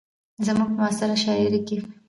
زموږ په معاصره شاعرۍ کې